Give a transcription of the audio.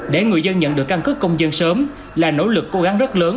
để người dân nhận được căn cứ công dân sớm là nỗ lực cố gắng rất lớn